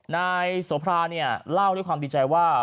นายโสภาเนี่ยเล่าด้วยความดีใจว่า